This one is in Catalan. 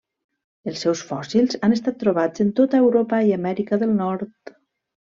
Els seus fòssils han estat trobats en tota Europa i Amèrica del Nord.